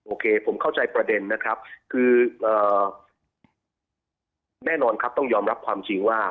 โอเคผมเข้าใจประเด็นนะครับคือแน่นอนครับต้องยอมรับความจริงว่า